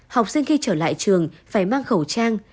học sinh khi trở lại trường phải mang khẩu trang